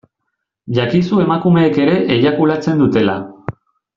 Jakizu emakumeek ere eiakulatzen dutela.